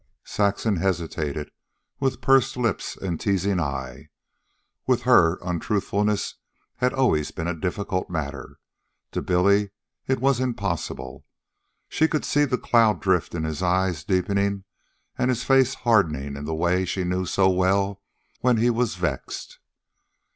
Saxon hesitated, with pursed lips and teasing eyes. With her, untruthfulness had always been a difficult matter. To Billy it was impossible. She could see the cloud drift in his eyes deepening and his face hardening in the way she knew so well when he was vexed.